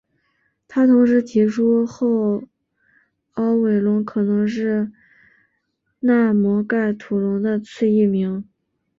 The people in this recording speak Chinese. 他同时提出后凹尾龙可能是纳摩盖吐龙的次异名。